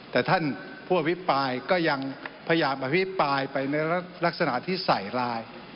แต่ท่านผู้อภิปรายก็ยังพยายามอภิปรายไปในลักษณะที่ใส่ไลน์